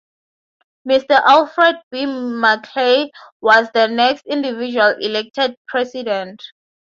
Mr. Alfred B. Maclay was the next individual elected president.